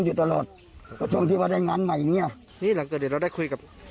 อยู่ตลอดช่วงที่ว่าได้งานใหม่เนี้ยนี่หลังเกิดเหตุเราได้คุยกับ